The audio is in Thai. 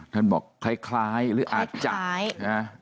โทรบอกคล้ายหรืออาจจะโทรคล้าย